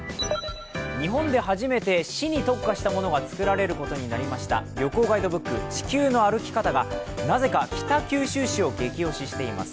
日本で初めて市に特化したものが作られることになりました、旅行ガイドブック「地球の歩き方」がなぜか、北九州市をゲキ推ししています。